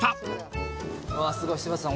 すごい柴田さん